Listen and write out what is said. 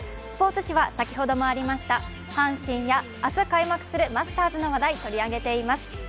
スポーツ紙は先ほどもありました阪神や明日開幕するマスターズの話題を取り上げています。